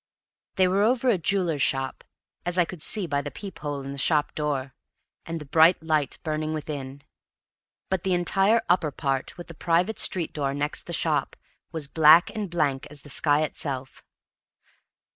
They were over a jeweller's shop, as I could see by the peep hole in the shop door, and the bright light burning within. But the entire "upper part," with the private street door next the shop, was black and blank as the sky itself.